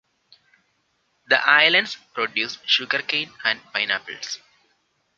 The islands produce sugarcane and pineapples.